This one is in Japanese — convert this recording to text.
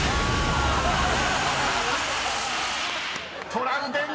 ［トラウデン